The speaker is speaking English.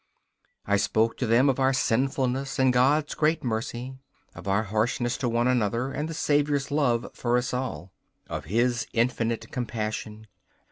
I spoke to them of our sinfulness and God's great mercy; of our harshness to one another and the Saviour's love for us all; of His infinite compassion.